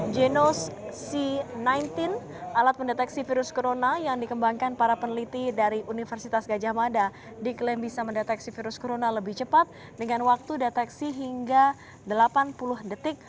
genos c sembilan belas alat pendeteksi virus corona yang dikembangkan para peneliti dari universitas gajah mada diklaim bisa mendeteksi virus corona lebih cepat dengan waktu deteksi hingga delapan puluh detik